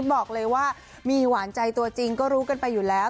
บอกเลยว่ามีหวานใจตัวจริงก็รู้กันไปอยู่แล้ว